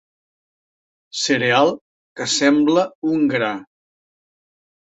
Cereal que sembla un gra.